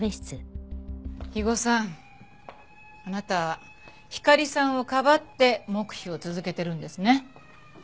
肥後さんあなたひかりさんをかばって黙秘を続けてるんですね？